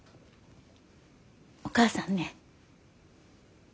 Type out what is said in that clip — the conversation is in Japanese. お母さんね